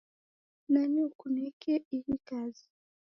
Nani ukunekee ihi kazi?